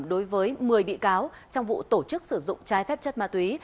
đối với một mươi bị cáo trong vụ tổ chức sử dụng trái phép chất ma túy